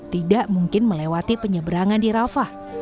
tidak mungkin melewati penyeberangan di rafah